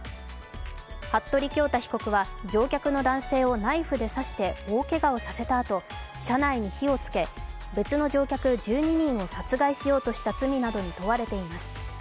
服部恭太被告は乗客の男性をナイフで刺して大けがをさせたあと車内に火をつけ、別の乗客１２人を殺害しようとした罪などに問われています。